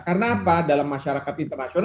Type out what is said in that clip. karena apa dalam masyarakat internasional